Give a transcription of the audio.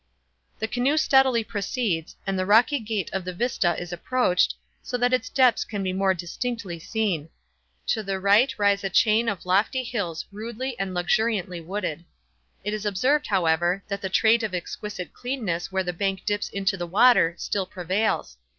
The canoe steadily proceeds, and the rocky gate of the vista is approached, so that its depths can be more distinctly seen. To the right arise a chain of lofty hills rudely and luxuriantly wooded. It is observed, however, that the trait of exquisite cleanness where the bank dips into the water, still prevails.